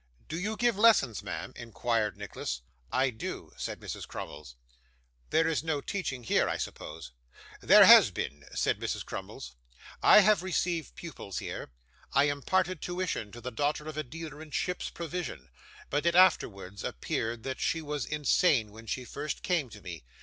'Do you give lessons, ma'am?' inquired Nicholas. 'I do,' said Mrs. Crummles. 'There is no teaching here, I suppose?' 'There has been,' said Mrs. Crummles. 'I have received pupils here. I imparted tuition to the daughter of a dealer in ships' provision; but it afterwards appeared that she was insane when she first came to me.